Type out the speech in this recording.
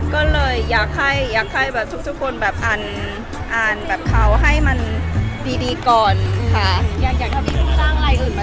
ก็เลยอยากให้ทุกคนอ่านเขาให้มันดีก่อนค่ะ